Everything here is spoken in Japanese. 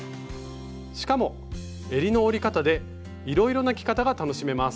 しかもえりの折り方でいろいろな着方が楽しめます。